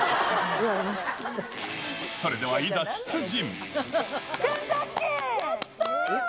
それではいざ、出陣。